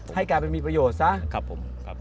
ให้กลายเป็นมีประโยชน์ซะ